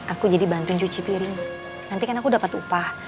aku jadi bantun cuci piring nanti kan aku dapat upah